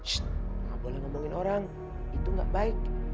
shh gak boleh ngomongin orang itu gak baik